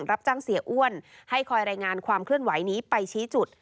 รับจ้างเสียอ้วนให้คอยรายงานความเคลื่อนไหวนี้ไปชี้จุด